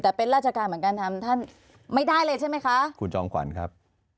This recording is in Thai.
แต่เป็นราชการเหมือนกันทำท่านไม่ได้เลยใช่ไหมคะคุณจอมขวัญครับ